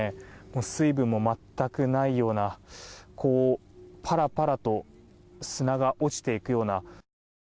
水分も全くないようなパラパラと砂が落ちていくような。